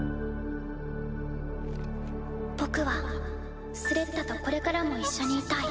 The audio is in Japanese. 僕はスレッタとこれからも一緒にいたい。